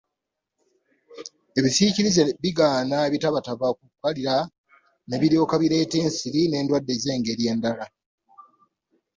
Ebisiikirize bigaana ebitabataba okukalira ne biryoka bireeta ensiri n'endwadde ez'engeri endala.